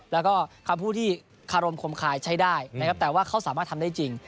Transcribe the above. และคำพูดขอบความคลมคลายได้แต่ว่าเขาไม่สามารถทำได้จริง